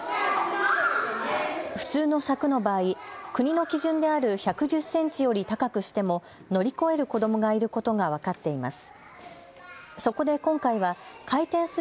普通の柵の場合、国の基準である１１０センチより高くしても乗り越える子どもがいることが分かっています。